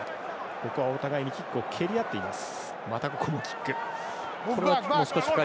ここはお互いにキックを蹴り合っています。